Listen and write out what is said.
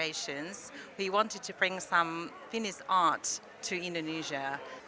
kami ingin membawa beberapa seni seni finlandia ke indonesia